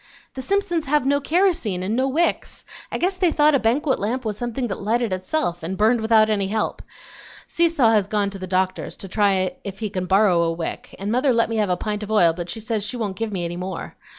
"The Simpsons have no kerosene and no wicks. I guess they thought a banquet lamp was something that lighted itself, and burned without any help. Seesaw has gone to the doctor's to try if he can borrow a wick, and mother let me have a pint of oil, but she says she won't give me any more.